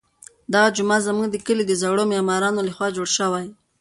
دغه جومات زموږ د کلي د زړو معمارانو لخوا جوړ شوی.